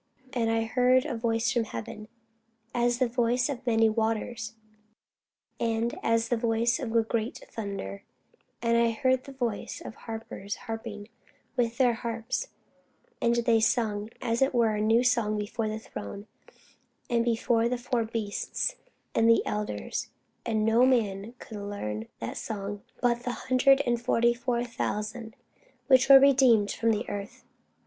And I heard a voice from heaven, as the voice of many waters, and as the voice of a great thunder: and I heard the voice of harpers harping with their harps: and they sung as it were a new song before the throne, and before the four beasts, and the elders: and no man could learn that song but the hundred and forty and four thousand, which were redeemed from the earth.